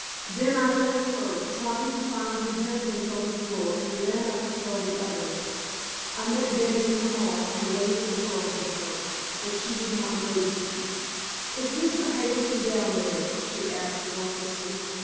Then I left her, trying to find her hair pins on the floor, and ran up to tell the others. I met Betty in the hall and waved the pearls at her. But she did not notice them. "Is Mr. Harbison down there?" she asked breathlessly.